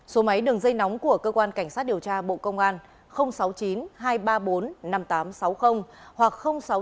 số máy đường dây nóng của cơ quan cảnh sát điều tra bộ công an sáu mươi chín hai trăm ba mươi bốn năm nghìn tám trăm sáu mươi hoặc sáu mươi chín hai trăm ba mươi hai một nghìn sáu trăm sáu mươi